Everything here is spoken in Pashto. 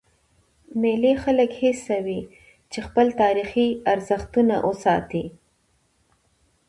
مېلې خلک هڅوي، چي خپل تاریخي ارزښتونه وساتي.